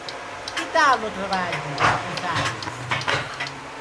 ¿que tal no traballo?, quizais.